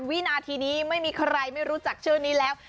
วินาทีนี้ไม่มีใครไม่รู้จักชื่อนี้แล้ว